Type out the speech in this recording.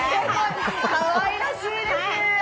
かわいらしいです。